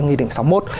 nghi định sáu mươi một